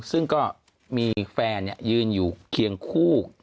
ซึ่งก็มีแฟนยืนอยู่เคียงคู่